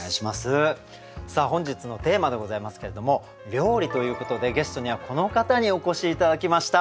さあ本日のテーマでございますけれども「料理」ということでゲストにはこの方にお越し頂きました。